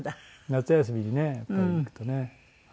夏休みにねやっぱり行くとね。